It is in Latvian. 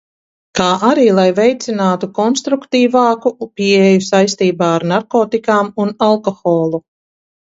Kā arī lai veicinātu konstruktīvāku pieeju saistībā ar narkotikām un alkoholu.